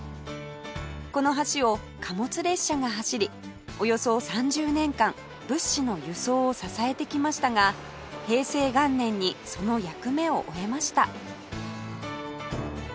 この橋を貨物列車が走りおよそ３０年間物資の輸送を支えてきましたが平成元年にその役目を終えました